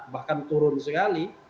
bahkan turun sekali